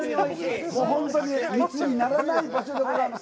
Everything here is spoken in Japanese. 本当に密にならない場所でございます。